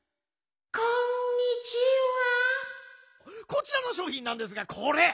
「こちらのしょうひんなんですがこれ！